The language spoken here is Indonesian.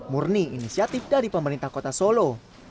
murni inisiatif dari pemerintah kota solo